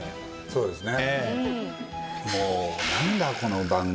そうですね。